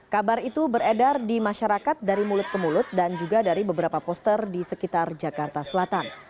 kabar itu beredar di masyarakat dari mulut ke mulut dan juga dari beberapa poster di sekitar jakarta selatan